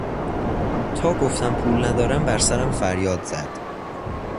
تا گفتم پول ندارم بر سرم فریاد زد.